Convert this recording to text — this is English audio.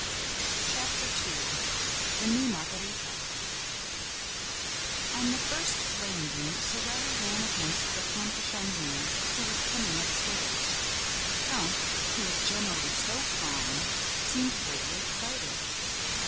Chapter II The New Margarita On the first landing, Sorelli ran against the Comte de Chagny, who was coming up stairs. The count, who was generally so calm, seemed greatly excited.